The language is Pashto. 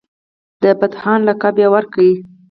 د پتهان لقب یې ورکړ.